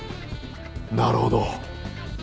なるほど。